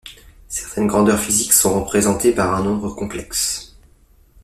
Certaines grandeurs physiques sont représentées par un nombre complexe.